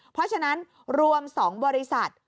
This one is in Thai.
เพราะฉะนั้นรวม๒บริษัท